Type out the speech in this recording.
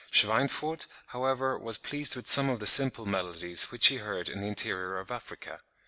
Schweinfurth, however, was pleased with some of the simple melodies which he heard in the interior of Africa.